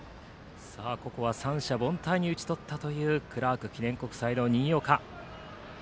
ここは三者凡退に打ち取ったクラーク記念国際の新岡。